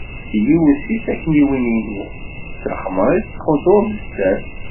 Yiwet seg takniwin-inu d taxemrit, tettqudur d sser.